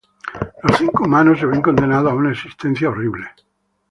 Los cinco humanos se ven condenados a una existencia horrible.